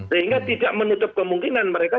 sehingga tidak menutup kemungkinan mereka